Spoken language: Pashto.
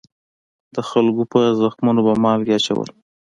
د خلکو په زخمونو به مالګې اچول.